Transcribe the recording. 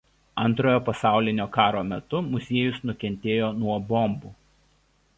Antrojo pasaulio karo metu muziejus nukentėjo nuo bombų.